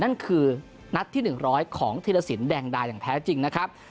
นั่นคือนัดที่๑๐๐ของธีรสินแดงดาอย่างแท้จริงนะครับ